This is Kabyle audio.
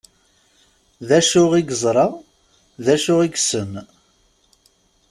D acu i yeẓra? D acu yessen?